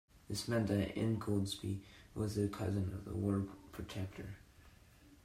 This meant that Ingoldsby was a cousin of the Lord Protector.